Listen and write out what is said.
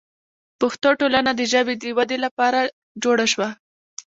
پښتو ټولنه د ژبې د ودې لپاره جوړه شوه.